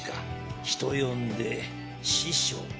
人呼んで師匠。